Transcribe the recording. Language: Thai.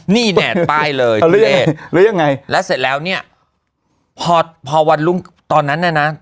นี่แน่นไปเลยแล้วยังไงแล้วเสร็จแล้วเนี้ยพอพอวันลุงตอนนั้นน่ะน่ะ